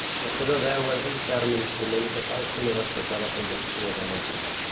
La seva veu és un ferm instrument capaç d'una destacada projecció dramàtica.